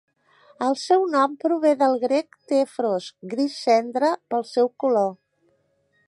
El seu nom prové del grec "tephros", "gris cendra", pel seu color.